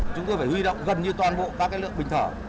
chúng tôi phải huy động gần như toàn bộ các lượng bình thở